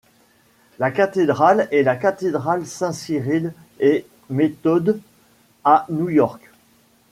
La cathédrale est la cathédrale Saints-Cyrille-et-Méthode à New York.